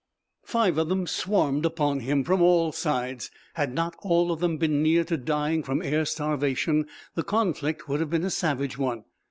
Five of them swarmed upon him, from all sides. Had not all of them been near to dying from air starvation the conflict would have been a savage one.